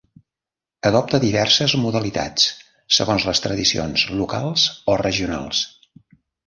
Adopta diverses modalitats, segons les tradicions locals o regionals.